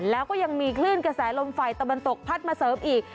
แล้วก็ยังมีคลื่นกระแสลมฝ่ายตะวันตกพัดมาเสริมอีก